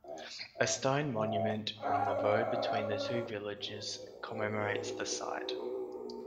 A stone monument on the road between the two villages commemorates the site.